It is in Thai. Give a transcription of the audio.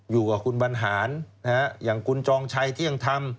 อยู่กับคุณบรรหารอย่างคุณจองชัยเที่ยงธรรม